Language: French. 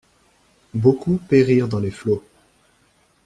Beaucoup périrent dans les flots.